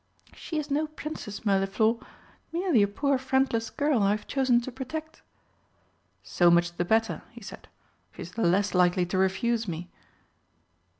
"She is no Princess, Mirliflor. Merely a poor friendless girl I have chosen to protect." "So much the better," he said. "She is the less likely to refuse me."